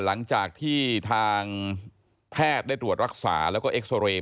หลังจากที่ทางแพทย์ได้ตรวจรักษาแล้วก็เอ็กซอเรย์